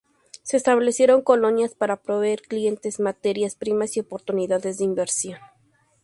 Se establecieron colonias para proveer clientes, materias primas y oportunidades de inversión.